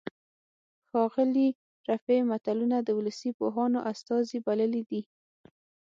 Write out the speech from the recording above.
ښاغلي رفیع متلونه د ولسي پوهانو استازي بللي دي